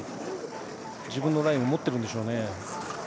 自分のラインを持っているんでしょうね。